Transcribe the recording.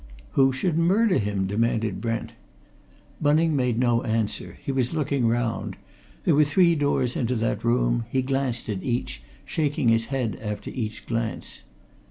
"Who should murder him?" demanded Brent. Bunning made no answer. He was looking round. There were three doors into that room; he glanced at each, shaking his head after each glance.